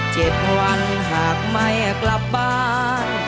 ๗วันหากไม่กลับบ้าน